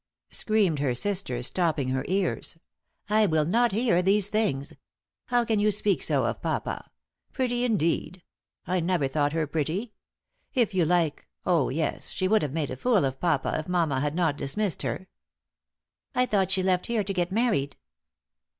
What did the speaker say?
screamed her sister, stopping her ears. "I will not hear these things! How can you speak so of papa? Pretty, indeed! I never thought her pretty. If you like oh, yes, she would have made a fool of papa if mamma had not dismissed her." "I thought she left here to get married?"